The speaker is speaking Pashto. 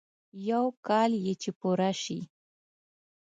يو کال يې چې پوره شي.